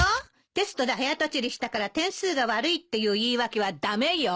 テストで早とちりしたから点数が悪いっていう言い訳は駄目よ。